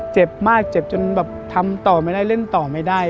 เจ็บมากเจ็บจนแบบทำต่อไม่ได้เล่นต่อไม่ได้